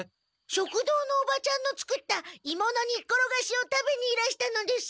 食堂のおばちゃんの作ったいものにっころがしを食べにいらしたのです。